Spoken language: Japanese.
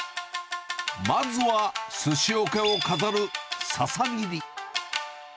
まずはすしおけを飾る笹切り。